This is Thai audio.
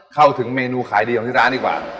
เข้าถึงเมนูขายดีของที่ร้านดีกว่า